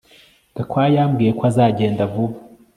Gakwaya yambwiye ko azagenda vuba